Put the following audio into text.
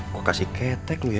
kok kasih ketek loh ya